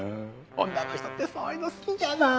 女の人ってそういうの好きじゃない。